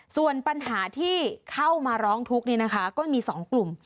ส่วนปัญหาที่เข้ามาร้องทุกข์ก็มี๒กลุ่ม